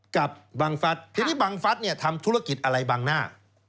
กับบังฟัฒน์ที่ที่บังฟัฒน์ทำธุรกิจอะไรบางหน้า